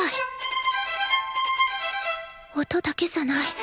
音だけじゃない。